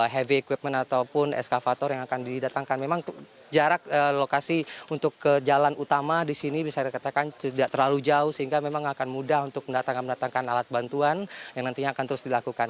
heavy equipment ataupun eskavator yang akan didatangkan memang jarak lokasi untuk ke jalan utama di sini bisa dikatakan tidak terlalu jauh sehingga memang akan mudah untuk mendatangkan alat bantuan yang nantinya akan terus dilakukan